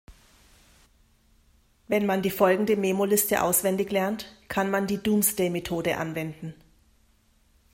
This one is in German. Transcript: Wenn man die folgende Memo-Liste auswendig lernt, kann man die Doomsday-Methode anwenden.